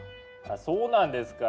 そうなんですか？